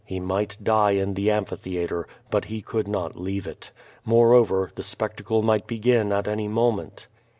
He might die in the amphi theatre, but he could not leave it. Moreover, the spectacle might begin at any moment.